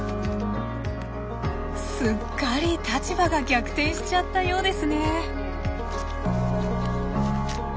すっかり立場が逆転しちゃったようですね。